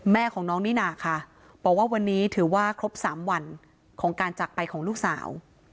แม่ของน้องนิน่าค่ะบอกว่าวันนี้ถือว่าครบ๓วันของการจักรไปของลูกสาว